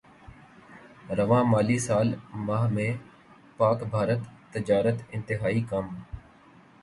رواں مالی سال ماہ میں پاکبھارت تجارت انتہائی کم